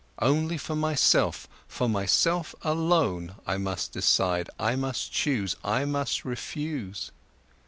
Only for myself, for myself alone, I must decide, I must chose, I must refuse.